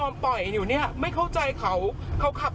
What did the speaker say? ดีดีดีดีดีดีดีหลวด